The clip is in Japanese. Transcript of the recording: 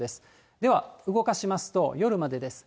では動かしますと、夜です。